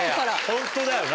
ホントだよな。